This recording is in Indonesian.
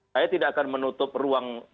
saya tidak akan menutup ruang